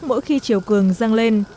mỗi khi chiều cường dâng lên